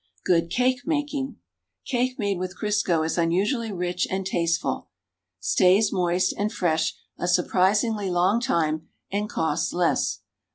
GOOD CAKE MAKING Cake made with C'risco is unusually rich and tasteful; stays moist and fresh a surprisingly long time and costs less.